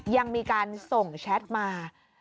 ยังมีการส่งแชทมา